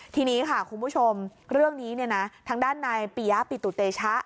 ทีนี้ค่ะคุณผู้ชมเรื่องนี้เนี่ยนะทางด้านนายปียะปิตุเตชะ